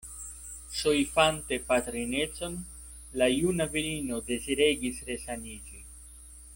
Soifante patrinecon, la juna virino deziregis resaniĝi.